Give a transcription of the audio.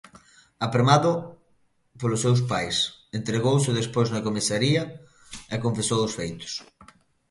Apremado polos seus pais, entregouse despois na comisaría e confesou os feitos.